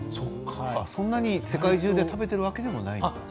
そんなに世界中で食べているわけでもないのね。